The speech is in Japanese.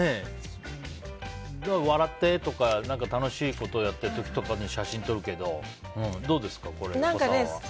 笑ってとか楽しいことやってる時とかに写真撮るけどどうですか、これ横澤は。